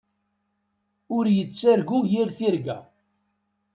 Ur yettargu yir tirga.